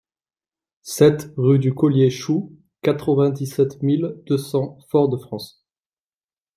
sept rue du Collier Chou, quatre-vingt-dix-sept mille deux cents Fort-de-France